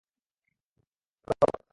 চলো চলো, বাচ্চারা!